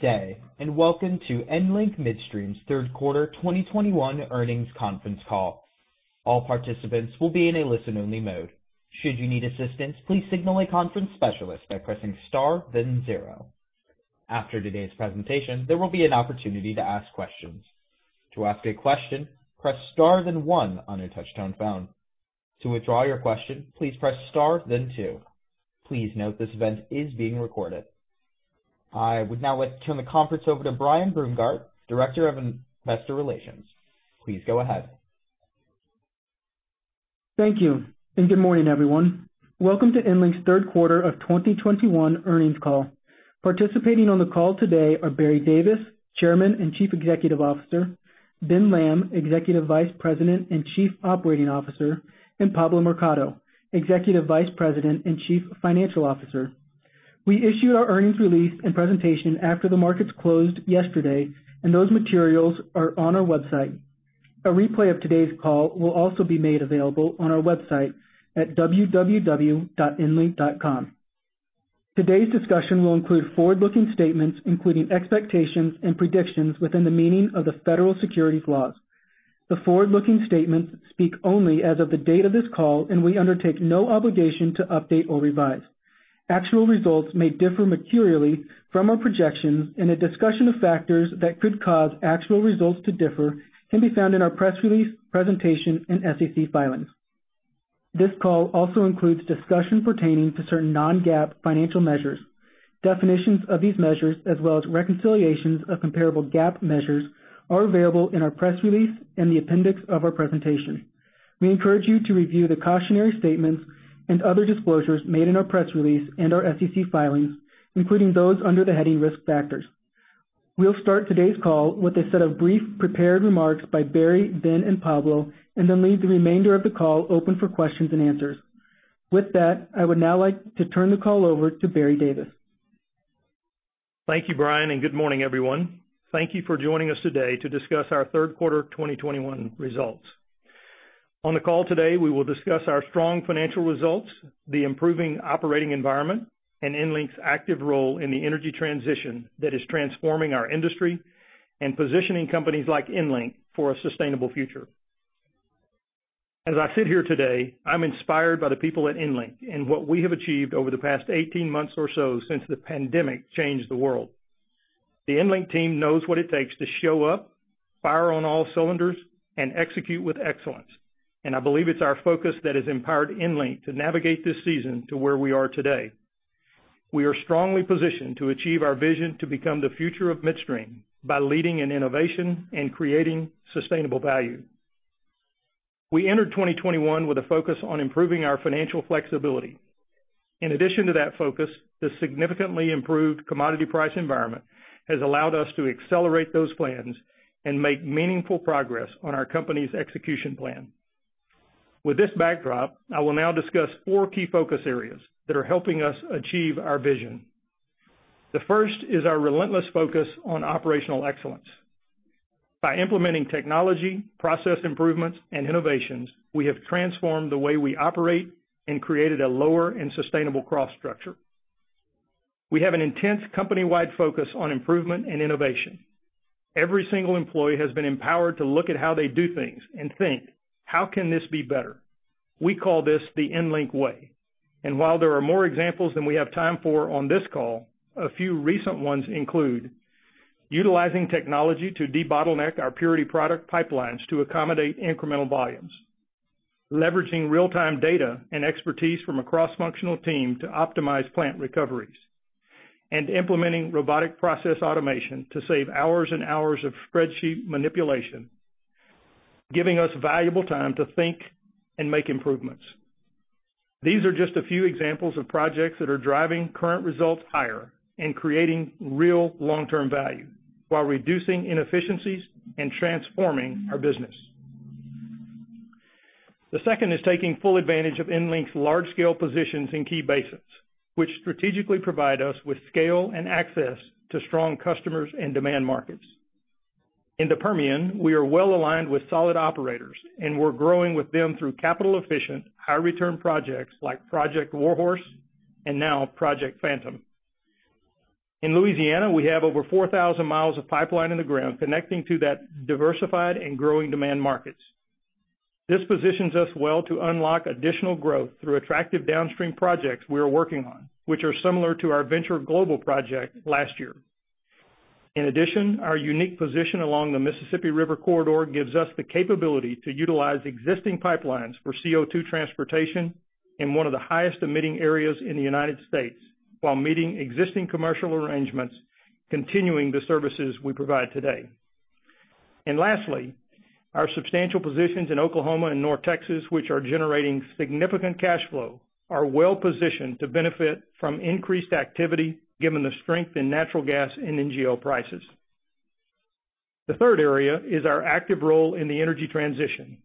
Good day, and welcome to EnLink Midstream's third quarter 2021 earnings conference call. All participants will be in a listen-only mode. Should you need assistance, please signal a conference specialist by pressing star, then zero. After today's presentation, there will be an opportunity to ask questions. To ask a question, press star then one on your touchtone phone. To withdraw your question, please press star then two. Please note this event is being recorded. I would now like to turn the conference over to Brian Brungardt, Director of Investor Relations. Please go ahead. Thank you, and good morning, everyone. Welcome to EnLink's third quarter of 2021 earnings call. Participating on the call today are Barry Davis, Chairman and Chief Executive Officer, Ben Lamb, Executive Vice President and Chief Operating Officer, and Pablo Mercado, Executive Vice President and Chief Financial Officer. We issued our earnings release and presentation after the markets closed yesterday, and those materials are on our website. A replay of today's call will also be made available on our website at www.enlink.com. Today's discussion will include forward-looking statements, including expectations and predictions within the meaning of the federal securities laws. The forward-looking statements speak only as of the date of this call, and we undertake no obligation to update or revise. Actual results may differ materially from our projections, and a discussion of factors that could cause actual results to differ can be found in our press release, presentation, and SEC filings. This call also includes discussion pertaining to certain non-GAAP financial measures. Definitions of these measures, as well as reconciliations of comparable GAAP measures, are available in our press release in the appendix of our presentation. We encourage you to review the cautionary statements and other disclosures made in our press release and our SEC filings, including those under the heading Risk Factors. We'll start today's call with a set of brief prepared remarks by Barry, Ben, and Pablo, and then leave the remainder of the call open for questions and answers. With that, I would now like to turn the call over to Barry Davis. Thank you, Brian, and good morning, everyone. Thank you for joining us today to discuss our third quarter 2021 results. On the call today, we will discuss our strong financial results, the improving operating environment, and EnLink's active role in the energy transition that is transforming our industry and positioning companies like EnLink for a sustainable future. As I sit here today, I'm inspired by the people at EnLink and what we have achieved over the past 18 months or so since the pandemic changed the world. The EnLink team knows what it takes to show up, fire on all cylinders, and execute with excellence, and I believe it's our focus that has empowered EnLink to navigate this season to where we are today. We are strongly positioned to achieve our vision to become the future of midstream by leading in innovation and creating sustainable value. We entered 2021 with a focus on improving our financial flexibility. In addition to that focus, the significantly improved commodity price environment has allowed us to accelerate those plans and make meaningful progress on our company's execution plan. With this backdrop, I will now discuss four key focus areas that are helping us achieve our vision. The first is our relentless focus on operational excellence. By implementing technology, process improvements, and innovations, we have transformed the way we operate and created a lower and sustainable cross-structure. We have an intense company-wide focus on improvement and innovation. Every single employee has been empowered to look at how they do things and think, "How can this be better?" We call this the EnLink Way. While there are more examples than we have time for on this call, a few recent ones include utilizing technology to debottleneck our purity product pipelines to accommodate incremental volumes, leveraging real-time data and expertise from a cross-functional team to optimize plant recoveries, and implementing robotic process automation to save hours and hours of spreadsheet manipulation, giving us valuable time to think and make improvements. These are just a few examples of projects that are driving current results higher and creating real long-term value while reducing inefficiencies and transforming our business. The second is taking full advantage of EnLink's large-scale positions in key basins, which strategically provide us with scale and access to strong customers and demand markets. In the Permian, we are well-aligned with solid operators, and we're growing with them through capital-efficient, high-return projects like Project War Horse and now Project Phantom. In Louisiana, we have over 4,000 mi of pipeline in the ground connecting to that diversified and growing demand markets. This positions us well to unlock additional growth through attractive downstream projects we are working on, which are similar to our Venture Global project last year. In addition, our unique position along the Mississippi River Corridor gives us the capability to utilize existing pipelines for CO2 transportation in one of the highest emitting areas in the United States while meeting existing commercial arrangements, continuing the services we provide today. Lastly, our substantial positions in Oklahoma and North Texas, which are generating significant cash flow, are well-positioned to benefit from increased activity given the strength in natural gas and NGL prices. The third area is our active role in the energy transition.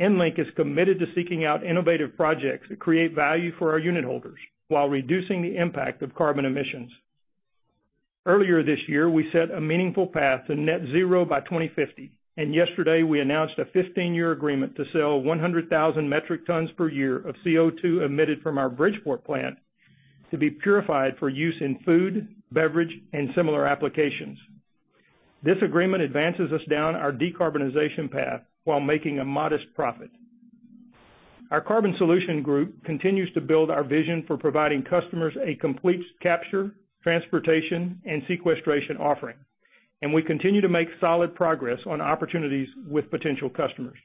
EnLink is committed to seeking out innovative projects that create value for our unit holders while reducing the impact of carbon emissions. Earlier this year, we set a meaningful path to net zero by 2050, and yesterday, we announced a 15-year agreement to sell 100,000 metric tons per year of CO2 emitted from our Bridgeport plant to be purified for use in food, beverage, and similar applications. This agreement advances us down our decarbonization path while making a modest profit. Our carbon solution group continues to build our vision for providing customers a complete capture, transportation, and sequestration offering, and we continue to make solid progress on opportunities with potential customers.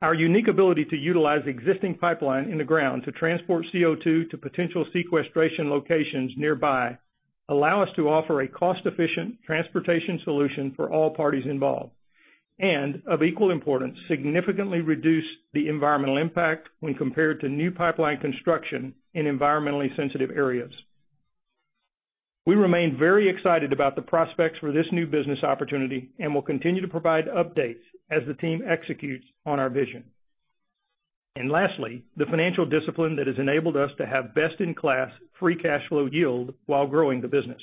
Our unique ability to utilize existing pipeline in the ground to transport CO2 to potential sequestration locations nearby allow us to offer a cost-efficient transportation solution for all parties involved, and of equal importance, significantly reduce the environmental impact when compared to new pipeline construction in environmentally sensitive areas. We remain very excited about the prospects for this new business opportunity, and we'll continue to provide updates as the team executes on our vision. Lastly, the financial discipline that has enabled us to have best in class free cash flow yield while growing the business.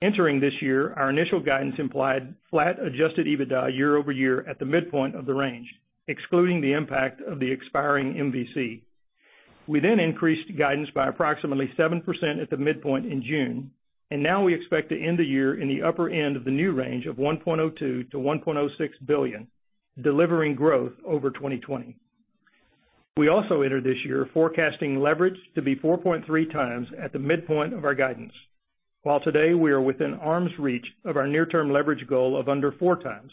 Entering this year, our initial guidance implied flat adjusted EBITDA year-over-year at the midpoint of the range, excluding the impact of the expiring MVC. We then increased guidance by approximately 7% at the midpoint in June, and now we expect to end the year in the upper end of the new range of $1.02 billion-$1.06 billion, delivering growth over 2020. We also entered this year forecasting leverage to be 4.3x at the midpoint of our guidance, while today we are within arm's reach of our near-term leverage goal of under 4x,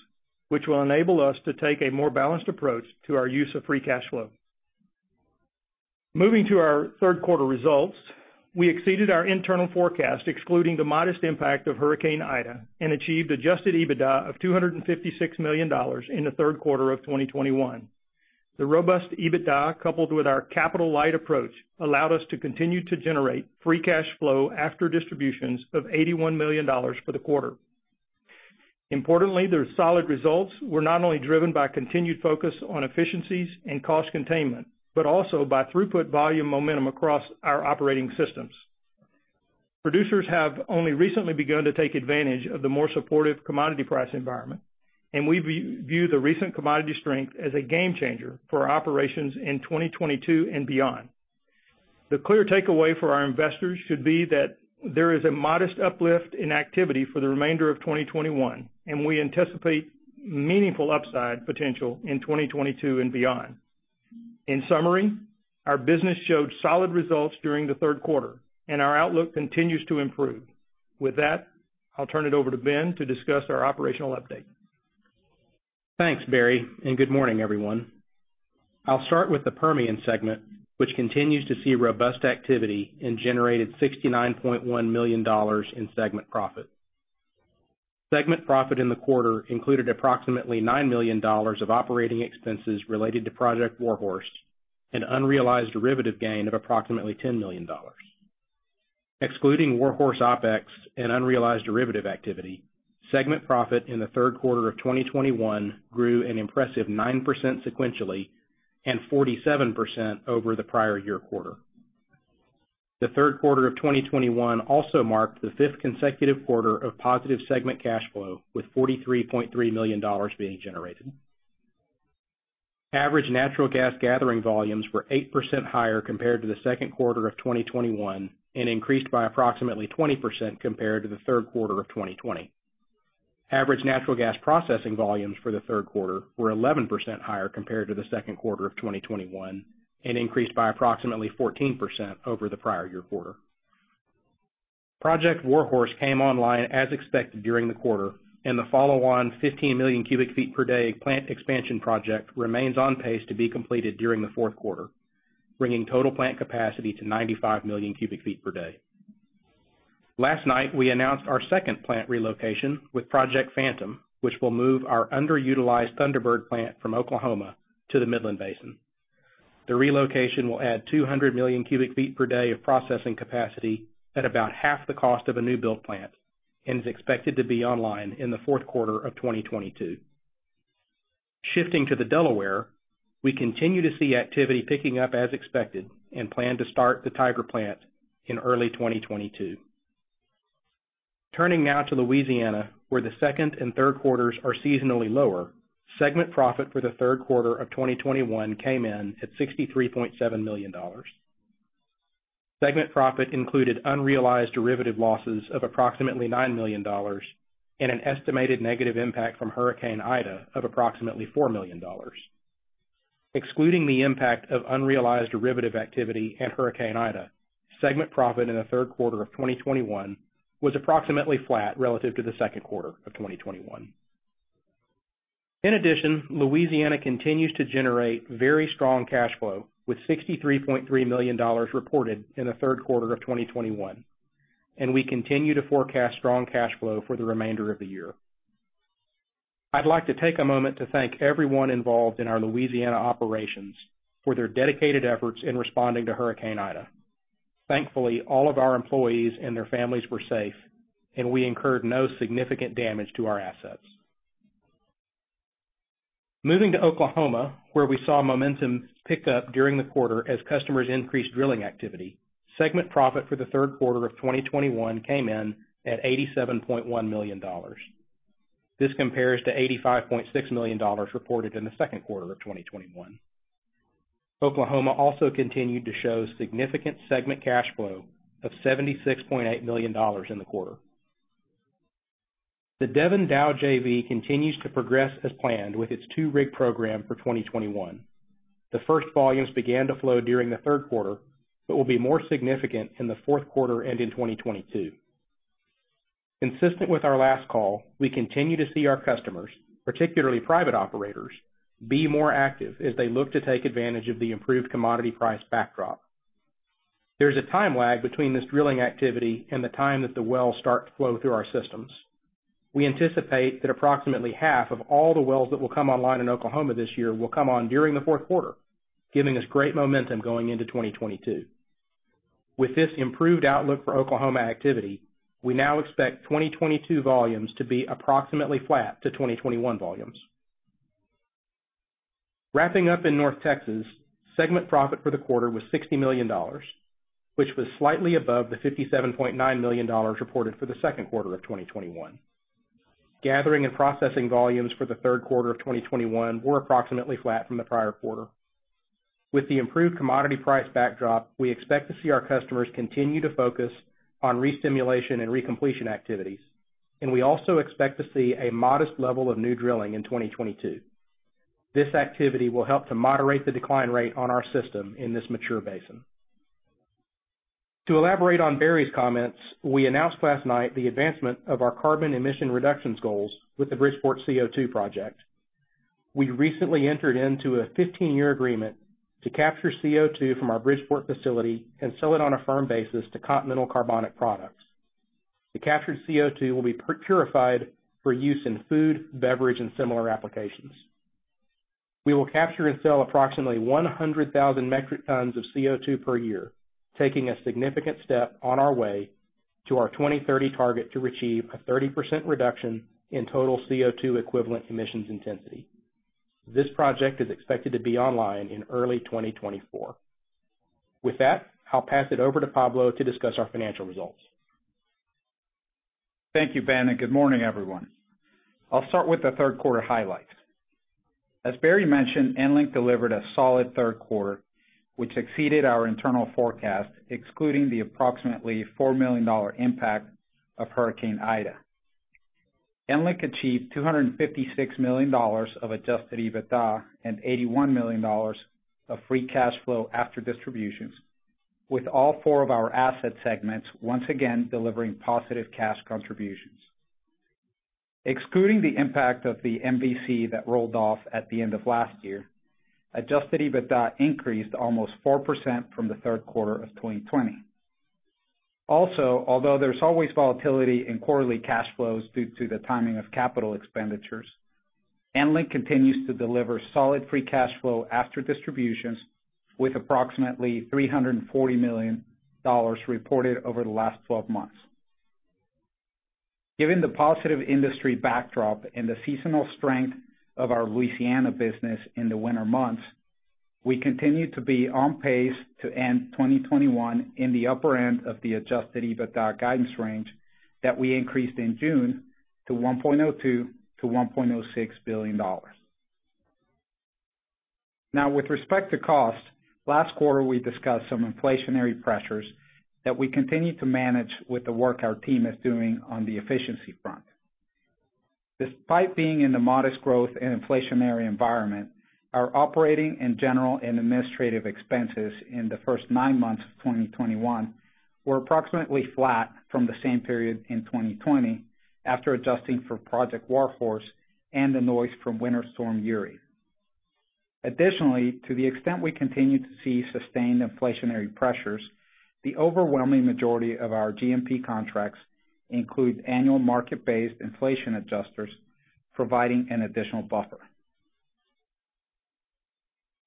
which will enable us to take a more balanced approach to our use of free cash flow. Moving to our third quarter results, we exceeded our internal forecast, excluding the modest impact of Hurricane Ida, and achieved adjusted EBITDA of $256 million in the third quarter of 2021. The robust EBITDA, coupled with our capital-light approach, allowed us to continue to generate free cash flow after distributions of $81 million for the quarter. Importantly, our solid results were not only driven by continued focus on efficiencies and cost containment, but also by throughput volume momentum across our operating systems. Producers have only recently begun to take advantage of the more supportive commodity price environment, and we view the recent commodity strength as a game changer for our operations in 2022 and beyond. The clear takeaway for our investors should be that there is a modest uplift in activity for the remainder of 2021, and we anticipate meaningful upside potential in 2022 and beyond. In summary, our business showed solid results during the third quarter, and our outlook continues to improve. With that, I'll turn it over to Ben to discuss our operational update. Thanks, Barry, and good morning, everyone. I'll start with the Permian segment, which continues to see robust activity and generated $69.1 million in segment profit. Segment profit in the quarter included approximately $9 million of operating expenses related to Project War Horse and unrealized derivative gain of approximately $10 million. Excluding War Horse OpEx and unrealized derivative activity, segment profit in the third quarter of 2021 grew an impressive 9% sequentially and 47% over the prior year quarter. The third quarter of 2021 also marked the fifth consecutive quarter of positive segment cash flow, with $43.3 million being generated. Average natural gas gathering volumes were 8% higher compared to the second quarter of 2021 and increased by approximately 20% compared to the third quarter of 2020. Average natural gas processing volumes for the third quarter were 11% higher compared to the second quarter of 2021 and increased by approximately 14% over the prior year quarter. Project War Horse came online as expected during the quarter, and the follow-on 15 million cfd plant expansion project remains on pace to be completed during the fourth quarter, bringing total plant capacity to 95 million cfd. Last night, we announced our second plant relocation with Project Phantom, which will move our underutilized Thunderbird plant from Oklahoma to the Midland Basin. The relocation will add 200 million cfd of processing capacity at about half the cost of a new build plant and is expected to be online in the fourth quarter of 2022. Shifting to the Delaware, we continue to see activity picking up as expected and plan to start the Tiger plant in early 2022. Turning now to Louisiana, where the second and third quarters are seasonally lower, segment profit for the third quarter of 2021 came in at $63.7 million. Segment profit included unrealized derivative losses of approximately $9 million and an estimated negative impact from Hurricane Ida of approximately $4 million. Excluding the impact of unrealized derivative activity and Hurricane Ida, segment profit in the third quarter of 2021 was approximately flat relative to the second quarter of 2021. In addition, Louisiana continues to generate very strong cash flow, with $63.3 million reported in the third quarter of 2021, and we continue to forecast strong cash flow for the remainder of the year. I'd like to take a moment to thank everyone involved in our Louisiana operations for their dedicated efforts in responding to Hurricane Ida. Thankfully, all of our employees and their families were safe, and we incurred no significant damage to our assets. Moving to Oklahoma, where we saw momentum pick up during the quarter as customers increased drilling activity, segment profit for the third quarter of 2021 came in at $87.1 million. This compares to $85.6 million reported in the second quarter of 2021. Oklahoma also continued to show significant segment cash flow of $76.8 million in the quarter. The Devon-Dow JV continues to progress as planned with its two-rig program for 2021. The first volumes began to flow during the third quarter but will be more significant in the fourth quarter and in 2022. Consistent with our last call, we continue to see our customers, particularly private operators, be more active as they look to take advantage of the improved commodity price backdrop. There's a time lag between this drilling activity and the time that the wells start to flow through our systems. We anticipate that approximately half of all the wells that will come online in Oklahoma this year will come on during the fourth quarter, giving us great momentum going into 2022. With this improved outlook for Oklahoma activity, we now expect 2022 volumes to be approximately flat to 2021 volumes. Wrapping up in North Texas, segment profit for the quarter was $60 million, which was slightly above the $57.9 million reported for the second quarter of 2021. Gathering and processing volumes for the third quarter of 2021 were approximately flat from the prior quarter. With the improved commodity price backdrop, we expect to see our customers continue to focus on re-stimulation and recompletion activities, and we also expect to see a modest level of new drilling in 2022. This activity will help to moderate the decline rate on our system in this mature basin. To elaborate on Barry's comments, we announced last night the advancement of our carbon emission reductions goals with the Bridgeport CO2 project. We recently entered into a 15-year agreement to capture CO2 from our Bridgeport facility and sell it on a firm basis to Continental Carbonic Products. The captured CO2 will be purified for use in food, beverage, and similar applications. We will capture and sell approximately 100,000 metric tons of CO2 per year, taking a significant step on our way to our 2030 target to achieve a 30% reduction in total CO2 equivalent emissions intensity. This project is expected to be online in early 2024. With that, I'll pass it over to Pablo to discuss our financial results. Thank you, Ben, and good morning, everyone. I'll start with the third quarter highlights. As Barry mentioned, EnLink delivered a solid third quarter, which exceeded our internal forecast, excluding the approximately $4 million impact of Hurricane Ida. EnLink achieved $256 million of adjusted EBITDA and $81 million of free cash flow after distributions, with all four of our asset segments once again delivering positive cash contributions. Excluding the impact of the MVC that rolled off at the end of last year, adjusted EBITDA increased almost 4% from the third quarter of 2020. Although there's always volatility in quarterly cash flows due to the timing of capital expenditures, EnLink continues to deliver solid free cash flow after distributions with approximately $340 million reported over the last 12 months. Given the positive industry backdrop and the seasonal strength of our Louisiana business in the winter months, we continue to be on pace to end 2021 in the upper end of the adjusted EBITDA guidance range that we increased in June to $1.02 billion-$1.06 billion. Now, with respect to cost, last quarter, we discussed some inflationary pressures that we continue to manage with the work our team is doing on the efficiency front. Despite being in a modest growth and inflationary environment, our operating and general and administrative expenses in the first nine months of 2021 were approximately flat from the same period in 2020 after adjusting for Project War Horse and the noise from Winter Storm Uri. Additionally, to the extent we continue to see sustained inflationary pressures, the overwhelming majority of our GMP contracts include annual market-based inflation adjusters, providing an additional buffer.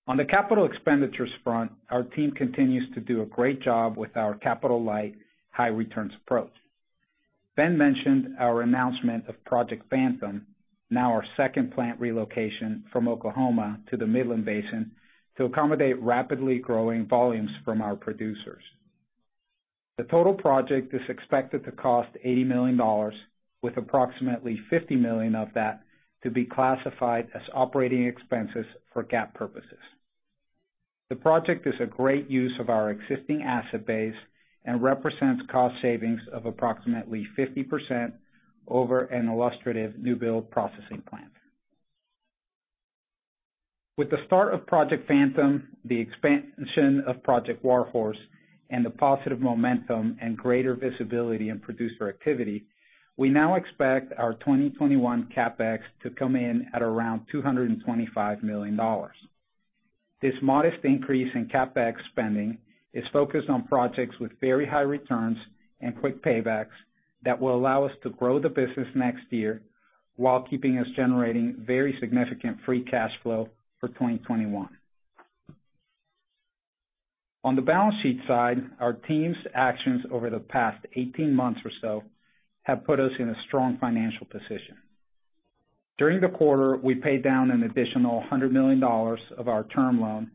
On the capital expenditures front, our team continues to do a great job with our capital-light, high-returns approach. Ben mentioned our announcement of Project Phantom, now our second plant relocation from Oklahoma to the Midland Basin, to accommodate rapidly growing volumes from our producers. The total project is expected to cost $80 million, with approximately $50 million of that to be classified as operating expenses for GAAP purposes. The project is a great use of our existing asset base and represents cost savings of approximately 50% over an illustrative new build processing plant. With the start of Project Phantom, the expansion of Project War Horse, and the positive momentum and greater visibility in producer activity, we now expect our 2021 CapEx to come in at around $225 million. This modest increase in CapEx spending is focused on projects with very high returns and quick paybacks that will allow us to grow the business next year while keeping us generating very significant free cash flow for 2021. On the balance sheet side, our team's actions over the past 18 months or so have put us in a strong financial position. During the quarter, we paid down an additional $100 million of our term loan,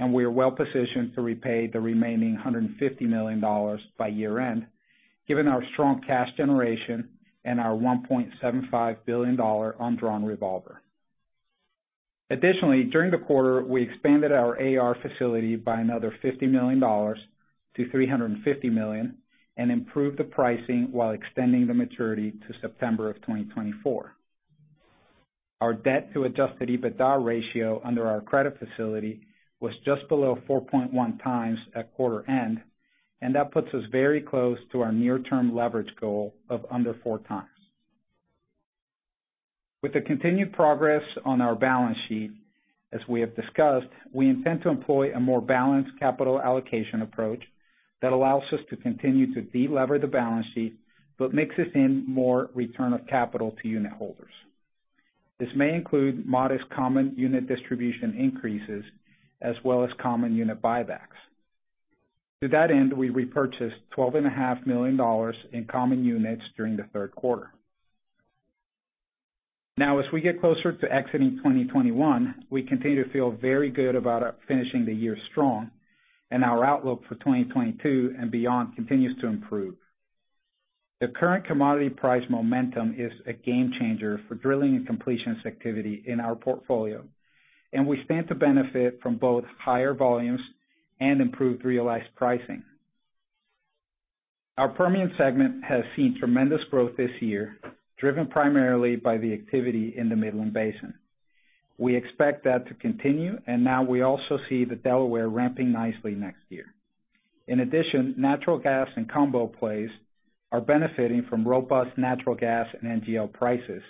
and we are well-positioned to repay the remaining $150 million by year-end, given our strong cash generation and our $1.75 billion undrawn revolver. Additionally, during the quarter, we expanded our AR facility by another $50 million to $350 million and improved the pricing while extending the maturity to September 2024. Our debt to adjusted EBITDA ratio under our credit facility was just below 4.1x at quarter end, and that puts us very close to our near-term leverage goal of under 4x. With the continued progress on our balance sheet, as we have discussed, we intend to employ a more balanced capital allocation approach that allows us to continue to delever the balance sheet, but mixes in more return of capital to unitholders. This may include modest common unit distribution increases as well as common unit buybacks. To that end, we repurchased $12.5 million in common units during the third quarter. Now, as we get closer to exiting 2021, we continue to feel very good about our finishing the year strong and our outlook for 2022 and beyond continues to improve. The current commodity price momentum is a game changer for drilling and completions activity in our portfolio, and we stand to benefit from both higher volumes and improved realized pricing. Our Permian segment has seen tremendous growth this year, driven primarily by the activity in the Midland Basin. We expect that to continue, and now we also see the Delaware ramping nicely next year. In addition, natural gas and combo plays are benefiting from robust natural gas and NGL prices,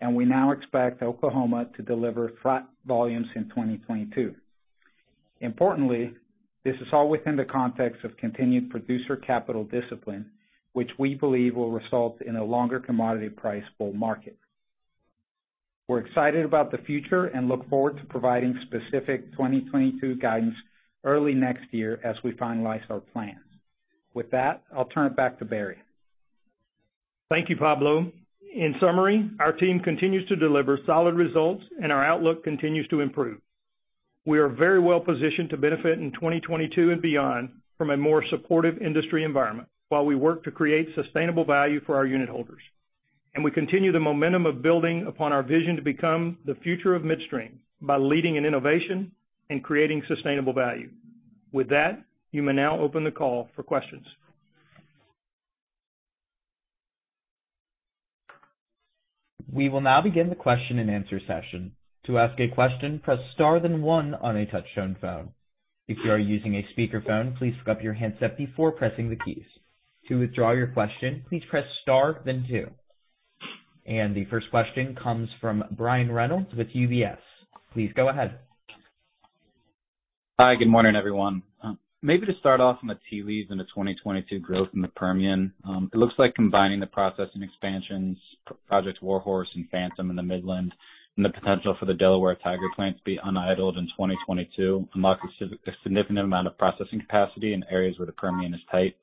and we now expect Oklahoma to deliver flat volumes in 2022. Importantly, this is all within the context of continued producer capital discipline, which we believe will result in a longer commodity price bull market. We're excited about the future and look forward to providing specific 2022 guidance early next year as we finalize our plans. With that, I'll turn it back to Barry. Thank you, Pablo. In summary, our team continues to deliver solid results and our outlook continues to improve. We are very well-positioned to benefit in 2022 and beyond from a more supportive industry environment while we work to create sustainable value for our unitholders. We continue the momentum of building upon our vision to become the future of midstream by leading in innovation and creating sustainable value. With that, you may now open the call for questions. We will now begin the question-and-answer session. To ask a question, press star then one on a touchtone phone. If you are using a speakerphone, please pick up your handset before pressing the keys. To withdraw your question, please press star then two. The first question comes from Brian Reynolds with UBS. Please go ahead. Hi, good morning, everyone. Maybe to start off on the tea leaves in the 2022 growth in the Permian. It looks like combining the processing expansions, Project War Horse and Project Phantom in the Midland, and the potential for the Delaware Tiger Plant to be unidled in 2022, unlocks a significant amount of processing capacity in areas where the Permian is tight.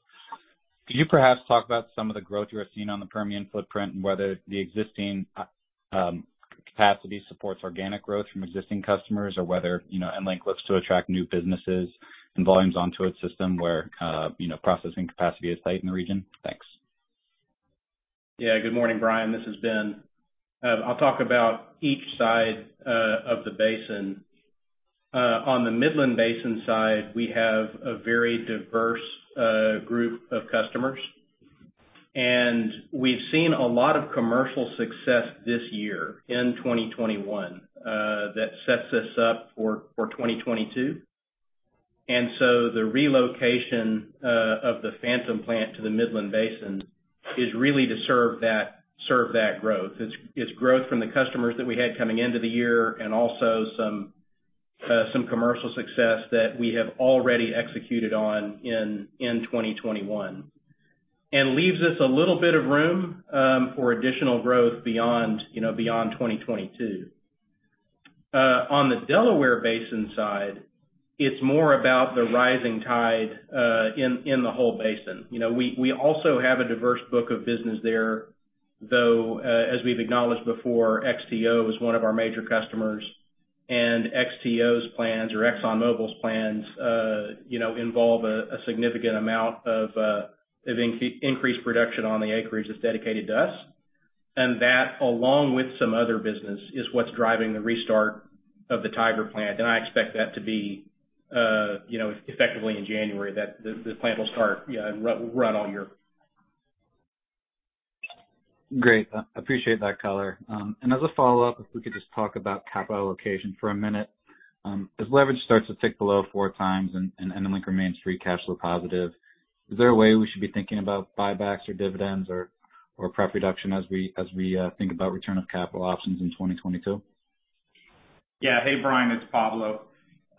Could you perhaps talk about some of the growth you are seeing on the Permian footprint and whether the existing capacity supports organic growth from existing customers or whether EnLink looks to attract new businesses and volumes onto its system where, you know, processing capacity is tight in the region? Thanks. Good morning, Brian. This is Ben. I'll talk about each side of the basin. On the Midland Basin side, we have a very diverse group of customers, and we've seen a lot of commercial success this year in 2021 that sets us up for 2022. The relocation of the Phantom plant to the Midland Basin is really to serve that growth. It's growth from the customers that we had coming into the year and also some commercial success that we have already executed on in 2021. That leaves us a little bit of room for additional growth beyond, you know, 2022. On the Delaware Basin side, it's more about the rising tide in the whole basin. You know, we also have a diverse book of business there, though, as we've acknowledged before, XTO is one of our major customers. XTO's plans or ExxonMobil's plans, you know, involve a significant amount of increased production on the acreage that's dedicated to us. That, along with some other business, is what's driving the restart of the Tiger plant. I expect that to be, you know, effectively in January that the plant will start, yeah, and run all year. Great. I appreciate that color. As a follow-up, if we could just talk about capital allocation for a minute. As leverage starts to tick below 4x and EnLink remains free cash flow positive, is there a way we should be thinking about buybacks or dividends or debt reduction as we think about return of capital options in 2022? Yeah. Hey, Brian, it's Pablo.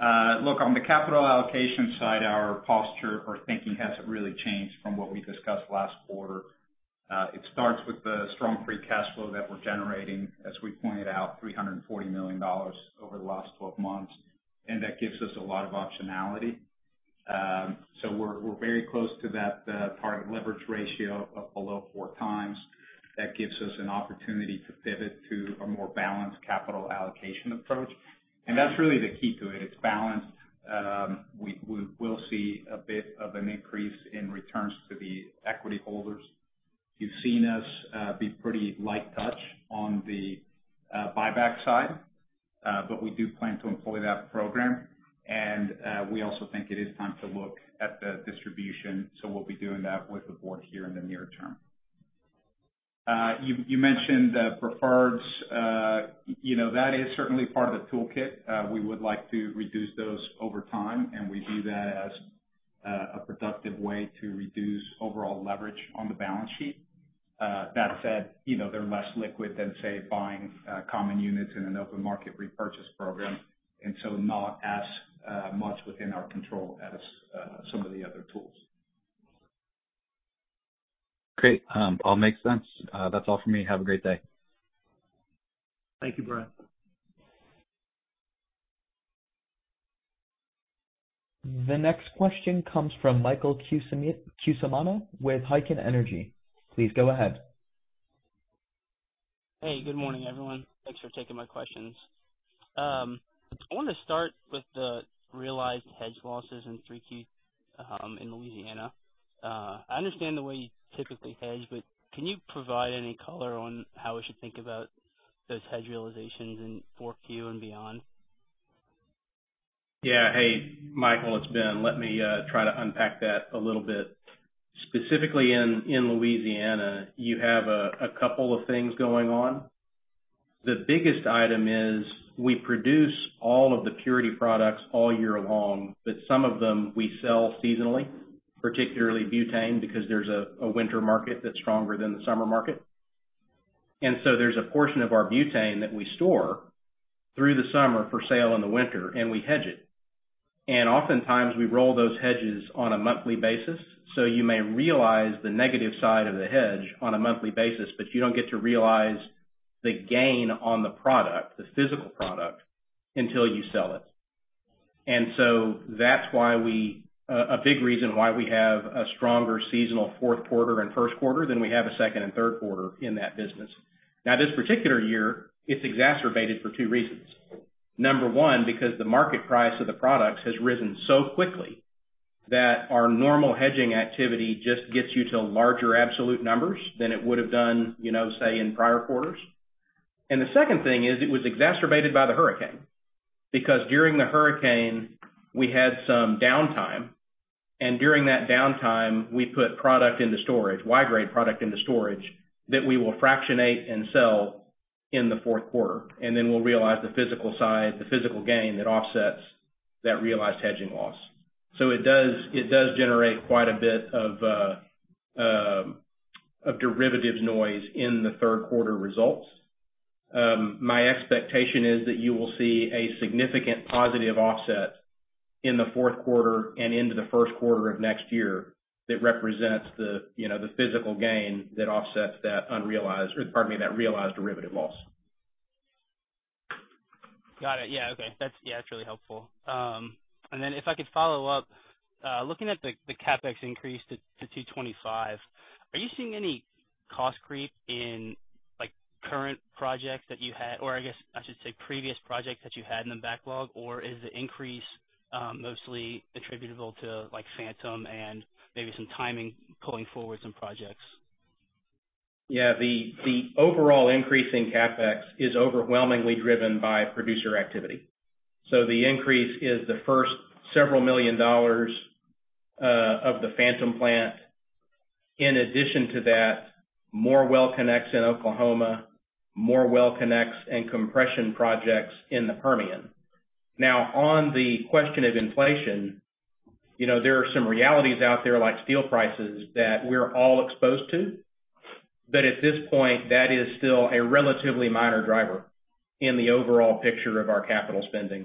Look, on the capital allocation side, our posture or thinking hasn't really changed from what we discussed last quarter. It starts with the strong free cash flow that we're generating, as we pointed out, $340 million over the last 12 months, and that gives us a lot of optionality. So we're very close to that target leverage ratio of below 4x. That gives us an opportunity to pivot to a more balanced capital allocation approach. That's really the key to it. It's balance. We will see a bit of an increase in returns to the equity holders. You've seen us be pretty light touch on the buyback side. We do plan to employ that program. We also think it is time to look at the distribution. We'll be doing that with the board here in the near term. You mentioned the preferreds, you know, that is certainly part of the toolkit. We would like to reduce those over time, and we view that as a productive way to reduce overall leverage on the balance sheet. That said, you know, they're less liquid than, say, buying common units in an open market repurchase program, and so not as much within our control as some of the other tools. Great. All makes sense. That's all for me. Have a great day. Thank you, Brian. The next question comes from Michael Cusimano with Heikkinen Energy. Please go ahead. Hey, good morning, everyone. Thanks for taking my questions. I wanna start with the realized hedge losses in 3Q, in Louisiana. I understand the way you typically hedge, but can you provide any color on how we should think about those hedge realizations in 4Q and beyond? Yeah. Hey, Michael, it's Ben. Let me try to unpack that a little bit. Specifically in Louisiana, you have a couple of things going on. The biggest item is, we produce all of the purity products all year long, but some of them we sell seasonally, particularly butane, because there's a winter market that's stronger than the summer market. There's a portion of our butane that we store through the summer for sale in the winter, and we hedge it. Oftentimes we roll those hedges on a monthly basis. You may realize the negative side of the hedge on a monthly basis, but you don't get to realize the gain on the product, the physical product, until you sell it. That's why we, a big reason why we have a stronger seasonal fourth quarter and first quarter than we have a second and third quarter in that business. Now, this particular year, it's exacerbated for two reasons. Number one, because the market price of the products has risen so quickly that our normal hedging activity just gets you to larger absolute numbers than it would have done, you know, say, in prior quarters. And the second thing is it was exacerbated by the hurricane, because during the hurricane we had some downtime, and during that downtime, we put product into storage, Y-grade product into storage, that we will fractionate and sell in the fourth quarter. And then we'll realize the physical side, the physical gain that offsets that realized hedging loss. It does generate quite a bit of derivatives noise in the third quarter results. My expectation is that you will see a significant positive offset in the fourth quarter and into the first quarter of next year that represents the, you know, the physical gain that offsets that realized derivative loss. Got it. Yeah. Okay. That's yeah, that's really helpful. If I could follow up, looking at the CapEx increase to $225 million, are you seeing any cost creep in like current projects that you had? Or I guess I should say previous projects that you had in the backlog, or is the increase mostly attributable to like Phantom and maybe some timing pulling forward some projects? Yeah. The overall increase in CapEx is overwhelmingly driven by producer activity. The increase is the first several million dollars of the Phantom plant. In addition to that, more well connects in Oklahoma, more well connects and compression projects in the Permian. Now, on the question of inflation, you know, there are some realities out there, like steel prices, that we're all exposed to, but at this point, that is still a relatively minor driver in the overall picture of our capital spending.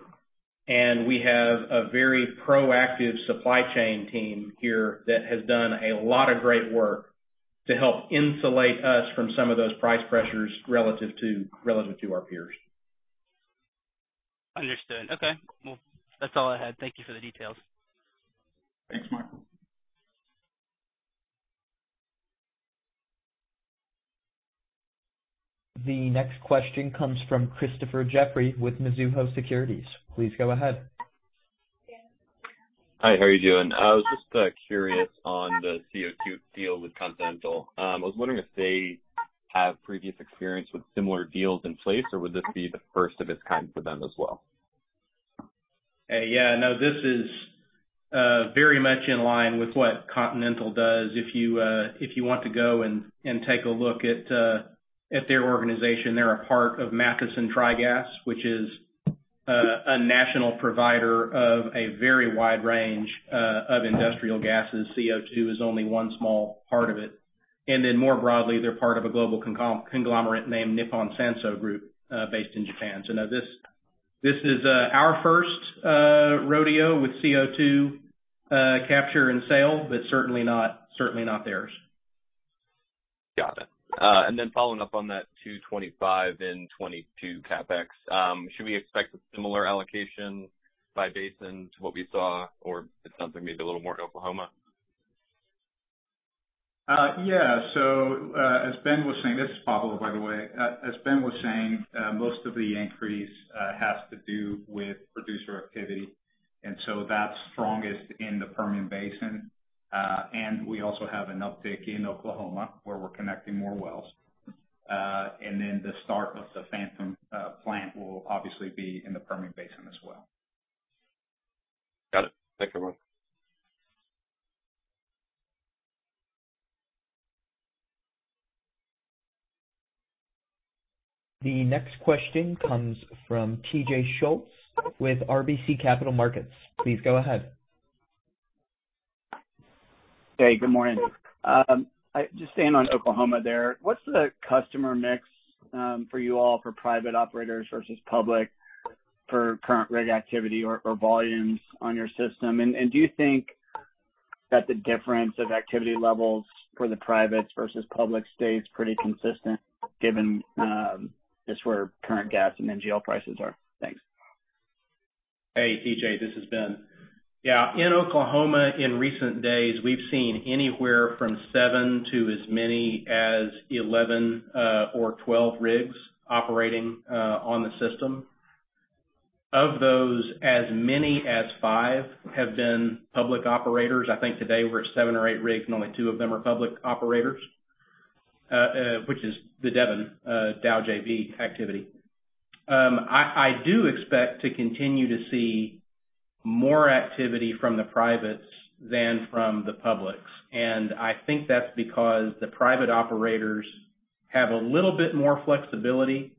We have a very proactive supply chain team here that has done a lot of great work to help insulate us from some of those price pressures relative to our peers. Understood. Okay. Well, that's all I had. Thank you for the details. Thanks, Michael. The next question comes from Christopher Jeffrey with Mizuho Securities. Please go ahead. Hi, how are you doing? I was just curious on the CO2 deal with Continental. I was wondering if they have previous experience with similar deals in place, or would this be the first of its kind for them as well? Hey, yeah. No, this is very much in line with what Continental does. If you want to go and take a look at their organization, they're a part of MATHESON Tri-Gas, which is a national provider of a very wide range of industrial gases. CO2 is only one small part of it. And then more broadly, they're part of a global conglomerate named Nippon Sanso Group based in Japan. No, this is our first rodeo with CO2 capture and sale, but certainly not theirs. Got it. Following up on that $225 million and 2022 CapEx, should we expect a similar allocation by basin to what we saw, or it's something maybe a little more in Oklahoma? As Ben was saying, this is Pablo, by the way. As Ben was saying, most of the increase has to do with producer activity. That's strongest in the Permian Basin. We also have an uptick in Oklahoma, where we're connecting more wells. Then the start of the Phantom plant will obviously be in the Permian Basin as well. Got it. Thanks so much. The next question comes from TJ Schultz with RBC Capital Markets. Please go ahead. Hey, good morning. Just staying on Oklahoma there, what's the customer mix for you all for private operators versus public for current rig activity or volumes on your system? Do you think that the difference of activity levels for the privates versus public stays pretty consistent given just where current gas and NGL prices are? Thanks. Hey, TJ, this is Ben. Yeah, in Oklahoma, in recent days, we've seen anywhere from seven to as many as 11 or 12 rigs operating on the system. Of those, as many as five have been public operators. I think today we're at seven or eight rigs, and only two of them are public operators, which is the Devon-Dow JV activity. I do expect to continue to see more activity from the privates than from the publics, and I think that's because the private operators have a little bit more flexibility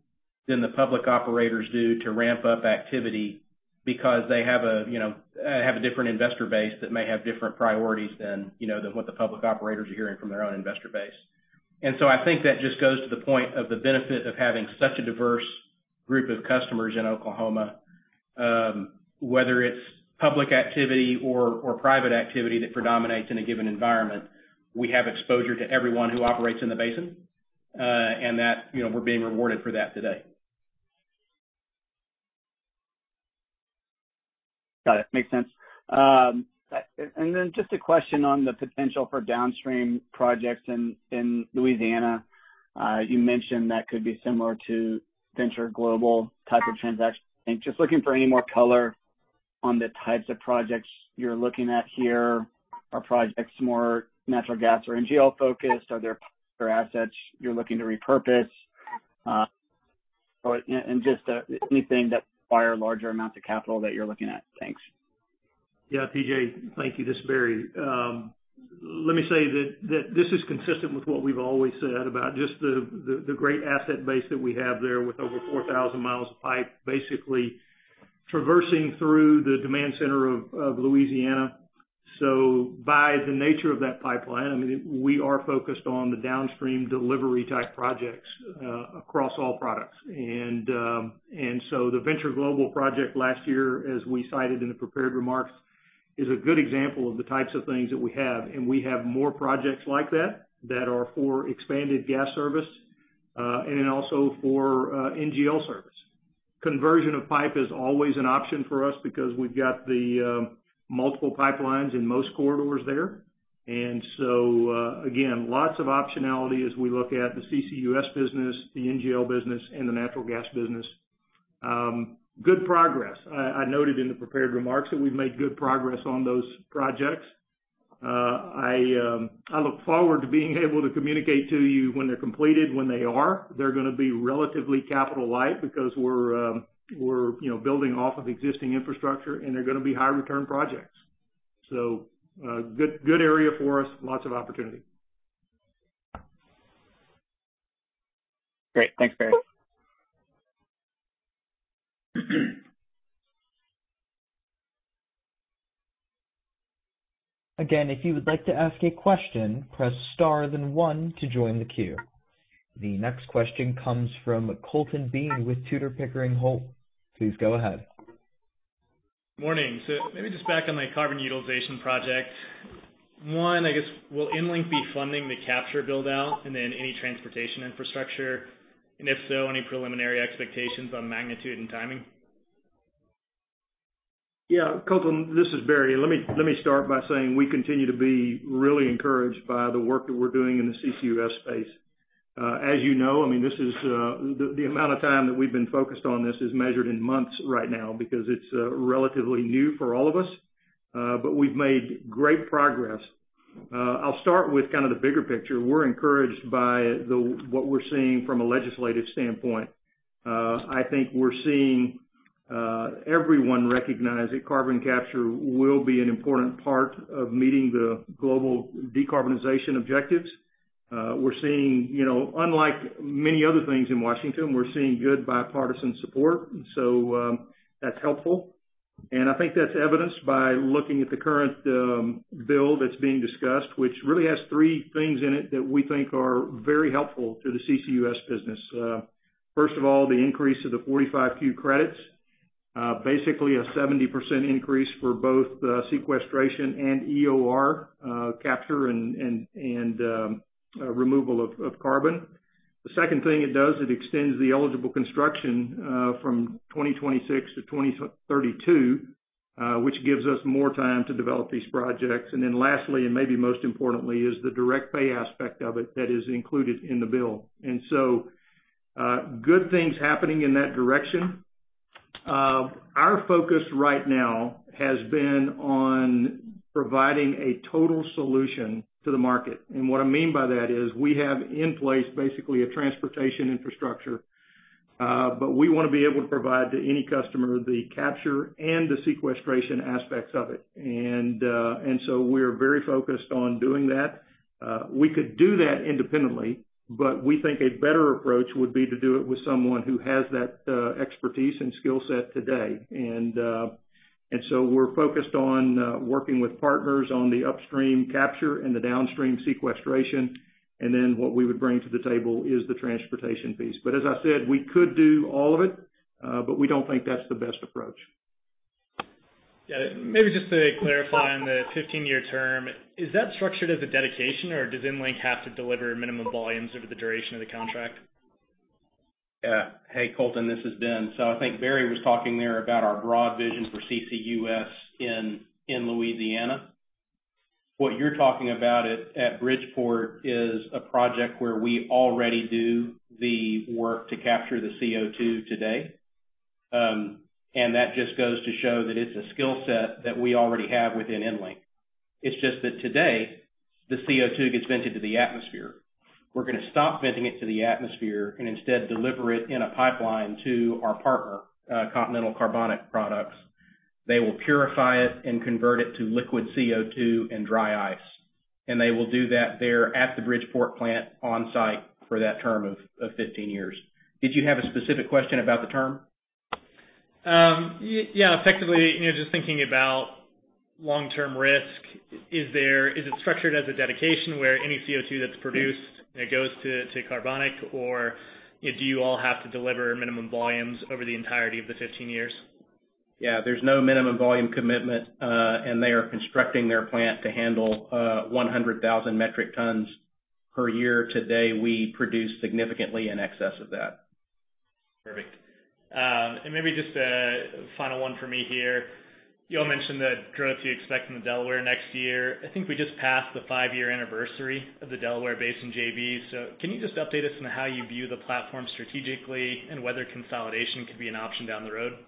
than the public operators do to ramp up activity because they have a, you know, different investor base that may have different priorities than, you know, what the public operators are hearing from their own investor base. I think that just goes to the point of the benefit of having such a diverse group of customers in Oklahoma, whether it's public activity or private activity that predominates in a given environment, we have exposure to everyone who operates in the basin, and that, you know, we're being rewarded for that today. Got it. Makes sense. Just a question on the potential for downstream projects in Louisiana. You mentioned that could be similar to Venture Global type of transaction. Just looking for any more color on the types of projects you're looking at here. Are projects more natural gas or NGL-focused? Are there assets you're looking to repurpose? Or and just anything that require larger amounts of capital that you're looking at. Thanks. Yeah, TJ, thank you. This is Barry. Let me say that this is consistent with what we've always said about just the great asset base that we have there with over 4,000 mi of pipe basically traversing through the demand center of Louisiana. By the nature of that pipeline, I mean, we are focused on the downstream delivery-type projects across all products. The Venture Global project last year, as we cited in the prepared remarks, is a good example of the types of things that we have, and we have more projects like that that are for expanded gas service and also for NGL service. Conversion of pipe is always an option for us because we've got the multiple pipelines in most corridors there. Again, lots of optionality as we look at the CCUS business, the NGL business, and the natural gas business. Good progress. I noted in the prepared remarks that we've made good progress on those projects. I look forward to being able to communicate to you when they're completed, when they are. They're gonna be relatively capital-light because we're, you know, building off of existing infrastructure, and they're gonna be high return projects. Good area for us, lots of opportunity. Great. Thanks, Barry. Again, if you would like to ask a question, press star then one to join the queue. The next question comes from Colton Bean with Tudor, Pickering, Holt. Please go ahead. Morning. Maybe just back on the carbon utilization project. One, I guess, will EnLink be funding the capture build-out and then any transportation infrastructure? And if so, any preliminary expectations on magnitude and timing? Yeah. Colton, this is Barry. Let me start by saying we continue to be really encouraged by the work that we're doing in the CCUS space. As you know, I mean, this is the amount of time that we've been focused on this is measured in months right now because it's relatively new for all of us, but we've made great progress. I'll start with kind of the bigger picture. We're encouraged by what we're seeing from a legislative standpoint. I think we're seeing everyone recognize that carbon capture will be an important part of meeting the global decarbonization objectives. We're seeing, you know, unlike many other things in Washington, we're seeing good bipartisan support, so that's helpful. I think that's evidenced by looking at the current bill that's being discussed, which really has three things in it that we think are very helpful to the CCUS business. First of all, the increase of the 45Q credits, basically a 70% increase for both sequestration and EOR, capture and removal of carbon. The second thing it does, it extends the eligible construction from 2026 to 2032, which gives us more time to develop these projects. Lastly, and maybe most importantly, is the direct pay aspect of it that is included in the bill. Good things happening in that direction. Our focus right now has been on providing a total solution to the market. What I mean by that is we have in place basically a transportation infrastructure, but we wanna be able to provide to any customer the capture and the sequestration aspects of it. We're very focused on doing that. We could do that independently, but we think a better approach would be to do it with someone who has that expertise and skill set today. We're focused on working with partners on the upstream capture and the downstream sequestration, and then what we would bring to the table is the transportation piece. As I said, we could do all of it, but we don't think that's the best approach. Yeah. Maybe just to clarify on the 15-year term, is that structured as a dedication, or does EnLink have to deliver minimum volumes over the duration of the contract? Yeah. Hey, Colton, this is Ben. I think Barry was talking there about our broad vision for CCUS in Louisiana. What you're talking about at Bridgeport is a project where we already do the work to capture the CO2 today. And that just goes to show that it's a skill set that we already have within EnLink. It's just that today, the CO2 gets vented to the atmosphere. We're gonna stop venting it to the atmosphere and instead deliver it in a pipeline to our partner, Continental Carbonic Products. They will purify it and convert it to liquid CO2 and dry ice, and they will do that there at the Bridgeport plant on site for that term of 15 years. Did you have a specific question about the term? Yeah. Effectively, you know, just thinking about long-term risk, is it structured as a dedication where any CO2 that's produced, it goes to Carbonic? Or do you all have to deliver minimum volumes over the entirety of the 15 years? Yeah. There's no minimum volume commitment, and they are constructing their plant to handle 100,000 metric tons per year. Today, we produce significantly in excess of that. Perfect. Maybe just a final one for me here. You all mentioned the growth you expect from the Delaware next year. I think we just passed the five-year anniversary of the Delaware Basin JV. Can you just update us on how you view the platform strategically and whether consolidation could be an option down the road?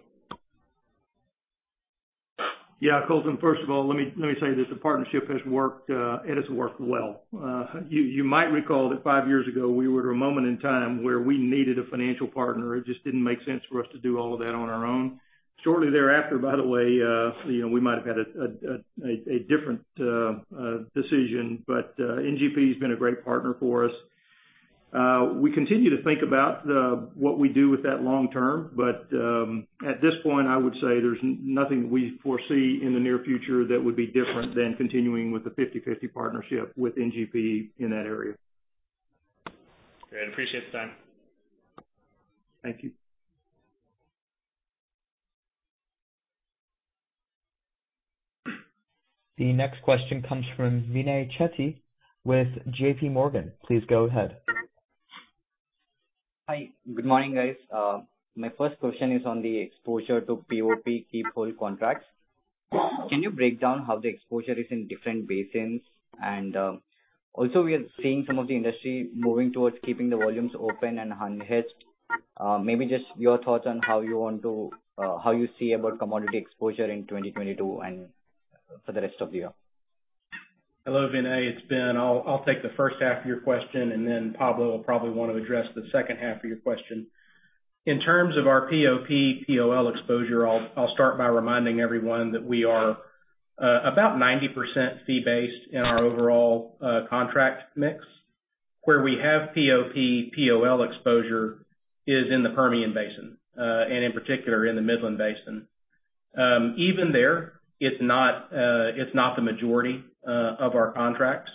Yeah, Colton, first of all, let me say this, the partnership has worked, it has worked well. You might recall that five years ago, we were at a moment in time where we needed a financial partner. It just didn't make sense for us to do all of that on our own. Shortly thereafter, by the way, you know, we might have had a different decision. NGP has been a great partner for us. We continue to think about what we do with that long term. At this point, I would say there's nothing we foresee in the near future that would be different than continuing with the 50/50 partnership with NGP in that area. Great. I appreciate the time. Thank you. The next question comes from Vinay Chitteti with JPMorgan. Please go ahead. Hi. Good morning, guys. My first question is on the exposure to POP keep-whole contracts. Can you break down how the exposure is in different basins? Also, we are seeing some of the industry moving towards keeping the volumes open and unhedged. Maybe just your thoughts on how you see about commodity exposure in 2022 and for the rest of the year. Hello, Vinay. It's Ben. I'll take the first half of your question, and then Pablo will probably wanna address the second half of your question. In terms of our POP/POL exposure, I'll start by reminding everyone that we are about 90% fee-based in our overall contract mix. Where we have POP/POL exposure is in the Permian Basin, and in particular in the Midland Basin. Even there, it's not the majority of our contracts.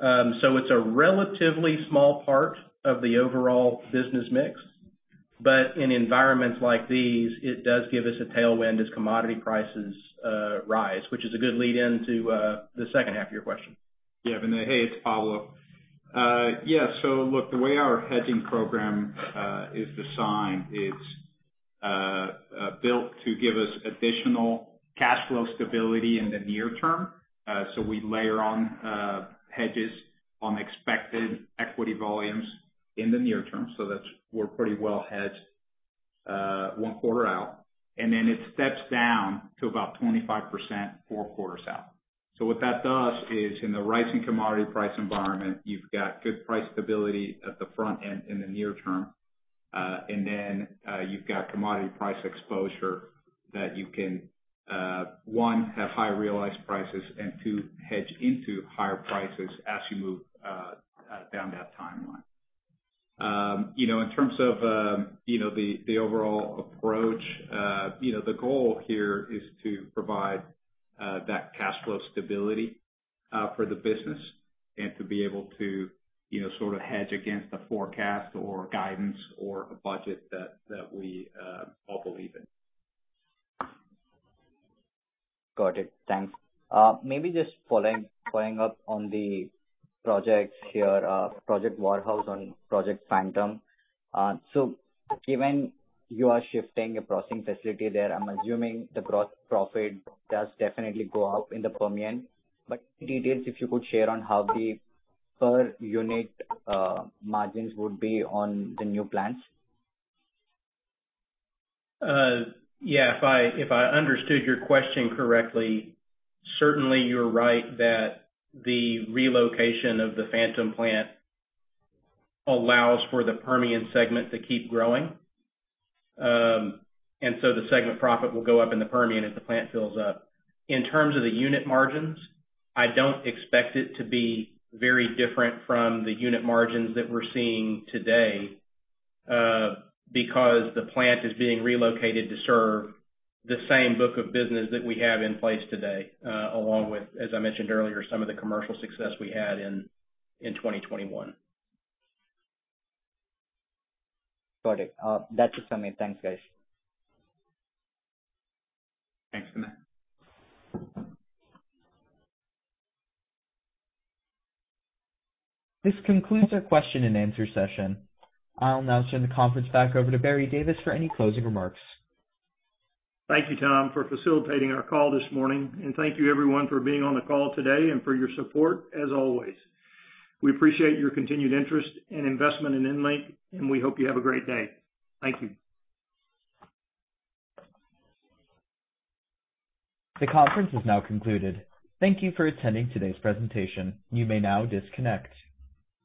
So it's a relatively small part of the overall business mix. In environments like these, it does give us a tailwind as commodity prices rise, which is a good lead in to the second half of your question. Yeah. Vinay, hey, it's Pablo. Look, the way our hedging program is designed, it's built to give us additional cash flow stability in the near term. We layer on hedges on expected equity volumes in the near term. We're pretty well hedged one quarter out, and then it steps down to about 25% four quarters out. What that does is in the rising commodity price environment, you've got good price stability at the front end in the near term, and then you've got commodity price exposure that you can, one, have high realized prices, and two, hedge into higher prices as you move down that timeline. You know, in terms of the overall approach, you know, the goal here is to provide that cash flow stability for the business and to be able to, you know, sort of hedge against the forecast or guidance or a budget that we all believe in. Got it. Thanks. Maybe just following up on the projects here, Project War Horse and Project Phantom. So given you are shifting a processing facility there, I'm assuming the gross profit does definitely go up in the Permian. But any details if you could share on how the per unit margins would be on the new plants? Yeah. If I understood your question correctly, certainly you're right that the relocation of the Phantom plant allows for the Permian segment to keep growing. The segment profit will go up in the Permian as the plant fills up. In terms of the unit margins, I don't expect it to be very different from the unit margins that we're seeing today, because the plant is being relocated to serve the same book of business that we have in place today, along with, as I mentioned earlier, some of the commercial success we had in 2021. Got it. That's it from me. Thanks, guys. Thanks, Vinay. This concludes our question-and-answer session. I'll now turn the conference back over to Barry Davis for any closing remarks. Thank you, Tom, for facilitating our call this morning. Thank you everyone for being on the call today and for your support as always. We appreciate your continued interest and investment in EnLink, and we hope you have a great day. Thank you. The conference is now concluded. Thank you for attending today's presentation. You may now disconnect.